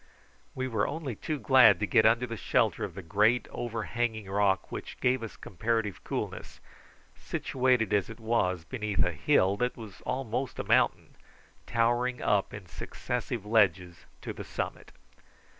We were only too glad to get under the shelter of the great overhanging rock, which gave us comparative coolness, situated as it was beneath a hill that was almost a mountain, towering up in successive ledges to the summit.